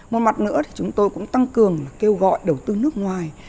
một mặt nữa thì chúng tôi cũng tăng cường là kêu gọi đầu tư nước ngoài